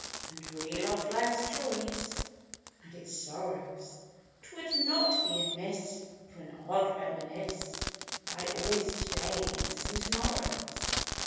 And reel off life's joys and its sorrows; 'Twould not be amiss for an odd reminisce— Why always todays and tomorrows?